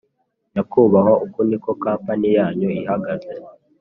nyakubahwa uku niko kampani yanyu ihagaze